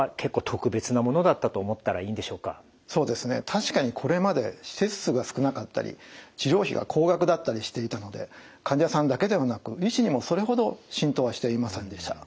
確かにこれまで施設数が少なかったり治療費が高額だったりしていたので患者さんだけではなく医師にもそれほど浸透はしていませんでした。